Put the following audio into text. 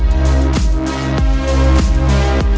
cepat pergi dong